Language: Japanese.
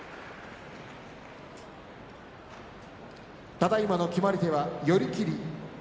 、ただいまの決まり手は寄り切り。